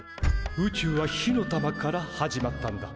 宇宙は火の玉から始まったんだ。